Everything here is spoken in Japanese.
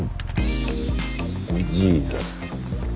ジーザス。